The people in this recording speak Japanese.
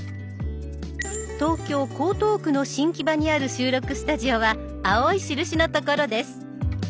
東京・江東区の新木場にある収録スタジオは青い印の所です。